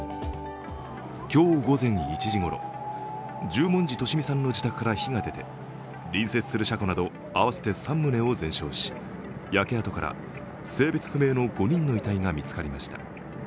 今日午前１時ごろ、十文字利美さんの自宅から火が出て隣接する車庫など合わせて３棟を全焼し焼け跡から性別不明の５人の遺体が見つかりました。